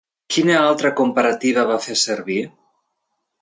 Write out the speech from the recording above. Quina altra comparativa va fer servir?